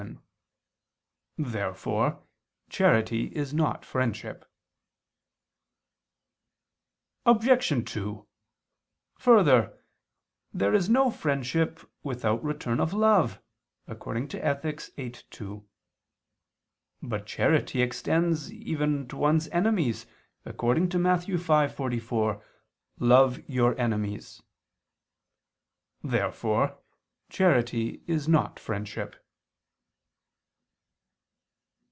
2:11). Therefore charity is not friendship. Obj. 2: Further, there is no friendship without return of love (Ethic. viii, 2). But charity extends even to one's enemies, according to Matt. 5:44: "Love your enemies." Therefore charity is not friendship.